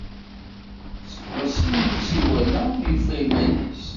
Seg wasmi i tt-iwala ur yufi iman-is.